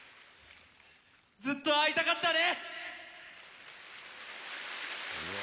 ずっと会いたかったね！